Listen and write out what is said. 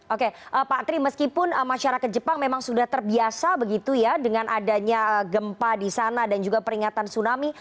oke pak tri meskipun masyarakat jepang memang sudah terbiasa begitu ya dengan adanya gempa di sana dan juga peringatan tsunami